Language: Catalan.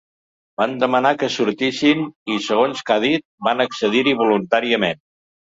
Van demanar que sortissin i, segons que ha dit, ‘van accedir-hi voluntàriament’.